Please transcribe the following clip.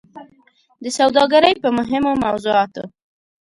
د سوداګرۍ په مهمو موضوعاتو